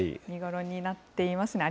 見頃になっています。